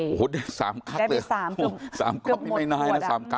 โอ้โหได้๓กั๊กเลย๓ก็ไม่น้อยนะ๓กั๊กอ่ะ